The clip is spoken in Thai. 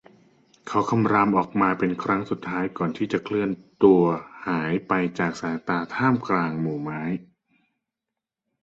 เขาคำรามออกมาเป็นครั้งสุดท้ายก่อนจะเคลื่อนตัวหายไปจากสายตาท่ามกลางหมู่ไม้